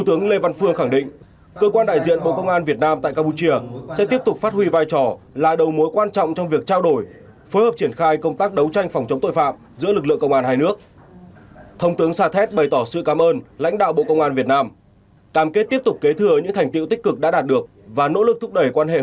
thưa quý vị vừa qua cơ quan đại diện bộ công an việt nam tại campuchia do thiếu tướng lê văn phương trưởng đại diện dẫn đầu đã đến chúc mừng thống tướng sa thẹt nhân dịp được bổ nhiệm chức vụ tổng cục công an quốc gia bộ nội vụ campuchia